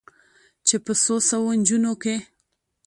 چې په څو سوو نجونو کې